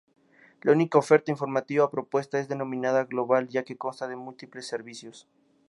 La oferta informativa propuesta es denominada global, ya que consta de múltiples servicios.